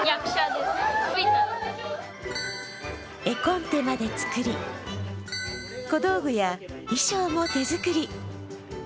絵コンテまで作り、小道具や衣装も手作り。